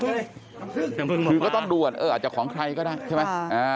คือก็ต้องดูก่อนเอออาจจะของใครก็ได้ใช่ไหม